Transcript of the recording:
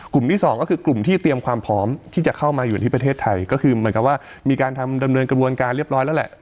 ที่สองก็คือกลุ่มที่เตรียมความพร้อมที่จะเข้ามาอยู่ที่ประเทศไทยก็คือเหมือนกับว่ามีการทำดำเนินกระบวนการเรียบร้อยแล้วแหละ